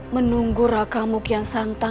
menunggu raka kian santan